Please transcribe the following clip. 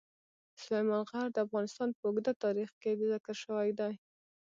سلیمان غر د افغانستان په اوږده تاریخ کې ذکر شوی دی.